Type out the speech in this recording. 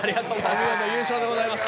お見事優勝でございます。